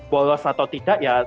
bolos atau tidak ya